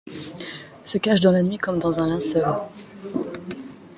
Se cache dans la nuit comme dans un linceul